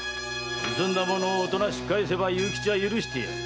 盗んだ物をおとなしく返せば勇吉は許してやる。